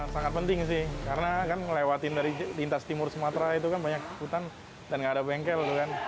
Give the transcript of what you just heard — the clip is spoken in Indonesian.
sangat penting sih karena kan ngelewatin dari lintas timur sumatera itu kan banyak hutan dan gak ada bengkel